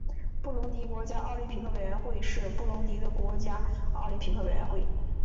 布隆迪国家奥林匹克委员会是布隆迪的国家奥林匹克委员会。